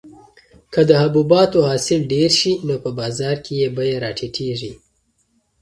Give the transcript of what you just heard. که د حبوباتو حاصل ډېر شي نو په بازار کې یې بیه راټیټیږي.